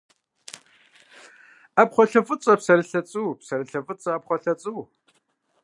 Ӏэпхъуалъэ фӏыцӏэ, псырылъэ цӏу, псырылъэ фӏыцӏэ, ӏэпхъуалъэ цӏу.